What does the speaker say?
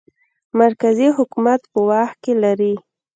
مرکزي حکومت په واک کې لري.